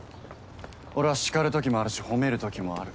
俺は叱るときもあるし褒めるときもある。